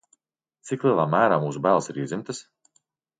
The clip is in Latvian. Cik lielā mērā mūsu bailes ir iedzimtas?